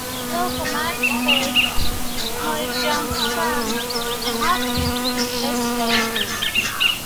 Local magistrates appointed John Stearne and Hopkins to investigate.